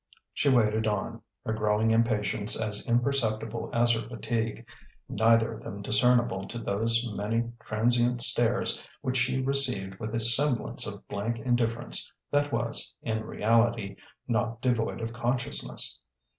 She waited on, her growing impatience as imperceptible as her fatigue: neither of them discernible to those many transient stares which she received with a semblance of blank indifference that was, in reality, not devoid of consciousness.